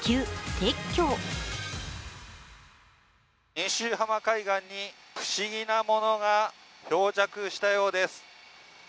遠州浜海岸に不思議なものが漂着したようです。